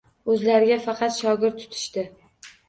Oʻzlariga faqat shogird tutishdi.